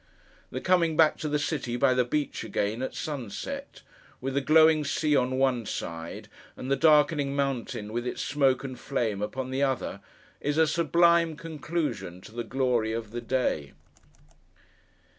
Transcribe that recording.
The coming back to the city, by the beach again, at sunset: with the glowing sea on one side, and the darkening mountain, with its smoke and flame, upon the other: is a sublime conclusion to the glory of the day.